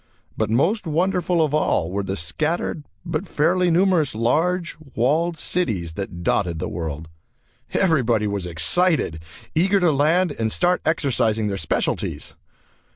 But most wonderful of all were the scattered, but fairly numerous large, walled cities that dotted the world. Everybody was excited, eager to land and start exercising their specialties.